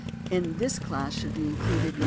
In this class should be included No.